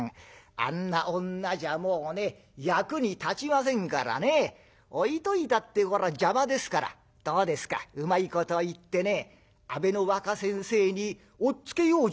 あんな女じゃもうね役に立ちませんからね置いといたって邪魔ですからどうですかうまいこと言ってね阿部の若先生に押っつけようじゃありませんか。